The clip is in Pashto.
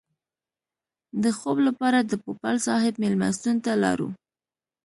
د خوب لپاره د پوپل صاحب مېلمستون ته لاړو.